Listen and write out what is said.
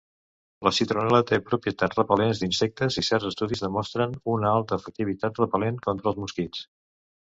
La citronel·la té propietats repel·lents d'insectes i certs estudis demostren una alta efectivitat repel·lent contra els mosquits.